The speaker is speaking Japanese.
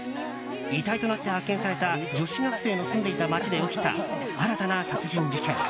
遺体となって発見された女子学生の住んでいた街で起きた新たな殺人事件。